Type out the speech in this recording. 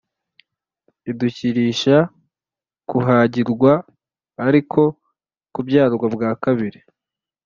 idukirisha kuhagirwa ari ko kubyarwa ubwa kabiri